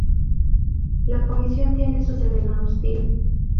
La comisión tiene su sede en Austin.